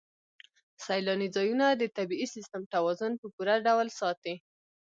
سیلاني ځایونه د طبعي سیسټم توازن په پوره ډول ساتي.